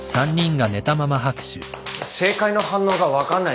正解の反応が分かんないです。